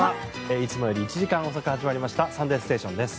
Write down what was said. いつもより１時間遅く始まりました「サンデーステーション」です。